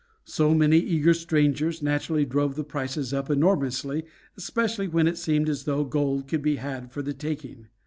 So many eager strangers naturally drove the prices up enormously, especially when it seemed as though gold could be had for the taking.